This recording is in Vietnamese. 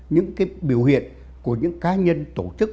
những cái biểu hiện của những cá nhân tổ chức